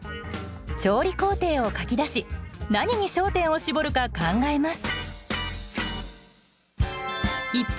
調理工程を書き出し何に焦点を絞るか考えます。